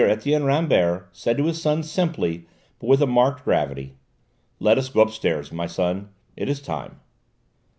Etienne Rambert said to his son simply, but with a marked gravity: "Let us go upstairs, my son: it is time."